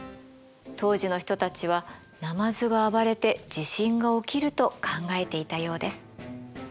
当時の人たちはナマズが暴れて地震が起きると考えていたようです。